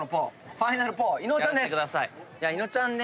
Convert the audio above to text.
ファイナルぽー伊野尾ちゃんです。